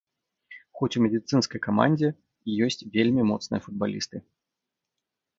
Хоць у медыцынскай камандзе ёсць вельмі моцныя футбалісты.